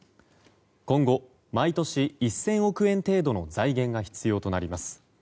今後、毎年１０００億円程度の財源が必要となります。